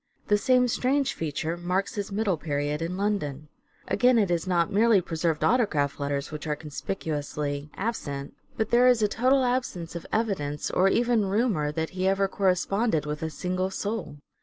The same strange feature marks his middle period in London. Again, it is not merely preserved autograph letters which are conspicuously 72 " SHAKESPEARE " IDENTIFIED absent, but there is a total absence of evidence, or even rumour, that he ever corresponded with a single soul.